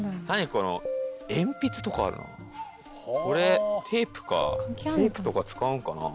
この鉛筆とかあるなこれテープかテープとか使うんかな？